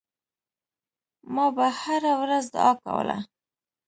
ما به هره ورځ دعا کوله.